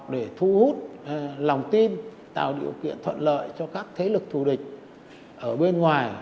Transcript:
để thu hút lòng tin tạo điều kiện thuận lợi cho các thế lực thù địch ở bên ngoài